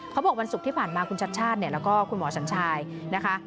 เขาบอกวันศุกร์ที่ผ่านมาคุณชัชชาติแล้วก็คุณหมอฉันชายนะคะ